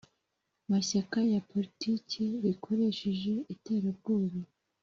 Mashyaka ya poritiki rikoresheje iterabwoba